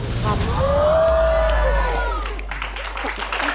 รู้สึกรู้สึกรู้สึกรู้สึก